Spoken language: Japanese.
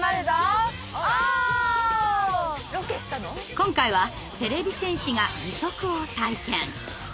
今回はてれび戦士が義足を体験。